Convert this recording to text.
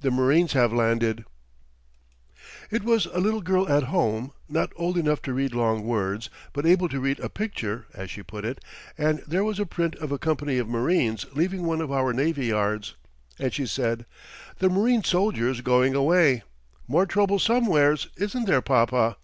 THE MARINES HAVE LANDED It was a little girl at home, not old enough to read long words, but able to read a picture, as she put it; and there was a print of a company of marines leaving one of our navy yards, and she said: "The marine soldiers going away more trouble somewheres, isn't there, papa?"